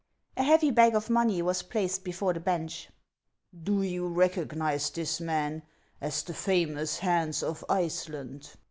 A heavy bag of money was placed before the bench. " Do you recognize this man as the famous Hans of Iceland